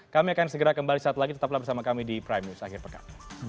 kami akan segera kembali saat lagi tetaplah bersama kami di prime news akhir pekan